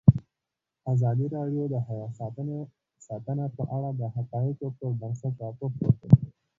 ازادي راډیو د حیوان ساتنه په اړه د حقایقو پر بنسټ راپور خپور کړی.